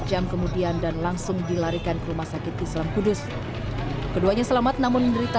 jam kemudian dan langsung dilarikan ke rumah sakit islam kudus keduanya selamat namun menderita